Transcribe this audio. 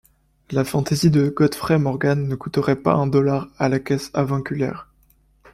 La fantaisie de Godfrey Morgan ne coûterait pas un dollar à la caisse avunculaire!